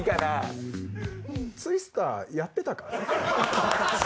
ツイスターやってたかい？